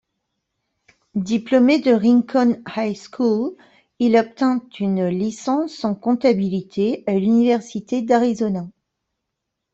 Diplômé de Rincon High School, il obtint une licence en comptabilité à l'Université d'Arizona.